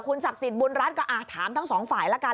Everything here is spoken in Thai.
คุณศักดิ์สิทธิ์บุญรัฐก็อาจถามทั้ง๒ฝ่ายละกัน